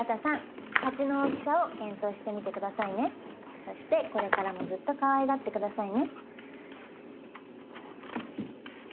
そしてこれからもずっとかわいがって下さいね。